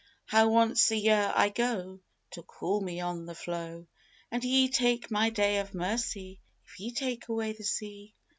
How once a year I go To cool me on the floe, And Ye take my day of mercy if Ye take away the sea!"